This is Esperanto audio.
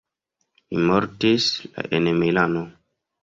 Li mortis la en Milano.